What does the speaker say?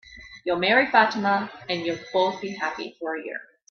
You'll marry Fatima, and you'll both be happy for a year.